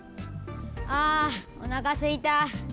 ああおなかすいた。